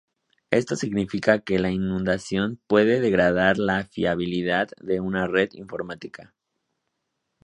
Esto significa que la inundación puede degradar la fiabilidad de una red informática.